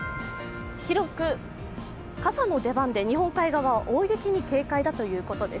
広く傘の出番で日本海側は大雪に警戒ということです。